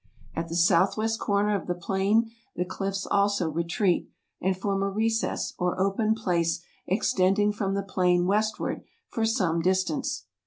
At the S.W. corner of the plain the cliffs also retreat, and form a recess or open place extending from the plain westward for some distance.